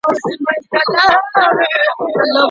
ولي زیارکښ کس د مخکښ سړي په پرتله خنډونه ماتوي؟